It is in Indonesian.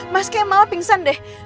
mas kayak malah pingsan deh